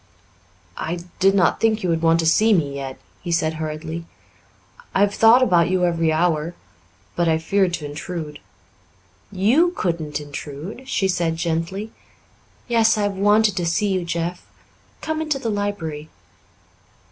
"I did not think you would want to see me yet," he said hurriedly. "I have thought about you every hour but I feared to intrude." "You couldn't intrude," she said gently. "Yes, I have wanted to see you, Jeff. Come into the library."